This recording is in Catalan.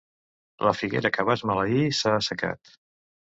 La figuera que vas maleir s'ha assecat.